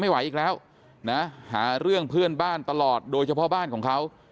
ไหวอีกแล้วนะหาเรื่องเพื่อนบ้านตลอดโดยเฉพาะบ้านของเขา